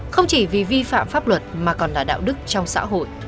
không chỉ vì vi phạm pháp luật mà còn là đạo đức trong xã hội